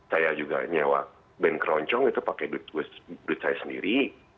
saya juga nyewa band keroncong itu pakai duit saya sendiri